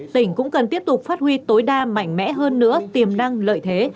tỉnh cũng cần tiếp tục phát huy tối đa mạnh mẽ hơn nữa tiềm năng lợi thế